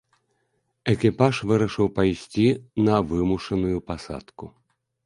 Экіпаж вырашыў пайсці на вымушаную пасадку.